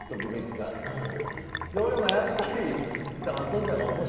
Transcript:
で俺もやっぱり。